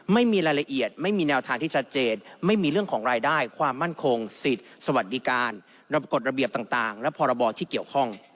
ไม่มีรายละเอียดไม่มีแนวทางที่ชัดเจนไม่มีเรื่องของรายได้ความมั่นคงสิทธิ์สวัสดิการระบบกฎระเบียบต่างและพรบที่เกี่ยวข้อง